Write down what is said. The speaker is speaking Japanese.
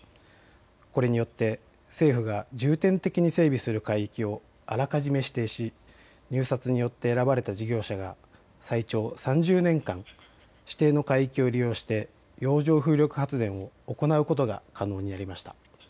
これによって政府が重点的に整備する海域をあらかじめ指定し入札によって選ばれた事業者が最長３０年間、指定の海域を利用して洋上風力発電を行うことが可能になりました。